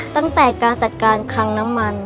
ตั้งแต่การจัดการคังน้ำมัน